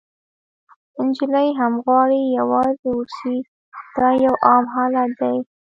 نجلۍ هم غواړي یوازې واوسي، دا یو عام حالت دی.